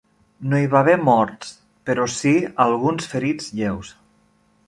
No hi va haver morts, però sí alguns ferits lleus.